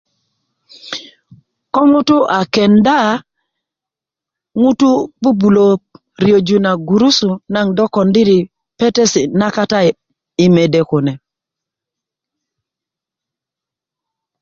Ko ŋutu' a kenda ŋutu' 'bu'bulaö riyöju na gurusu naŋ do kondiri petesi' na kata yi mede kune